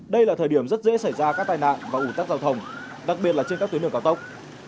đây là thời điểm rất dễ xảy ra các tai nạn và ủ tắc giao thông đặc biệt là trên các tuyến đường cao tốc